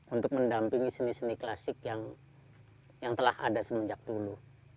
untuk mendampingi seni seni klasik yang telah ada semenjak dulu